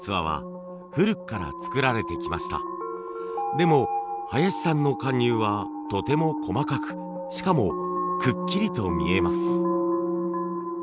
でも林さんの貫入はとても細かくしかもくっきりと見えます。